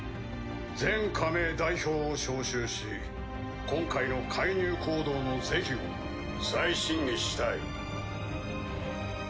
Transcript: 全加盟代表を招集し今回の介入行動の是非を再審議したい。